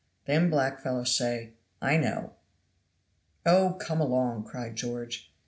Then black fellow say, 'I know.'" "Oh, come along!" cried George.